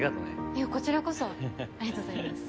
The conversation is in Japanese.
いえこちらこそありがとうございます。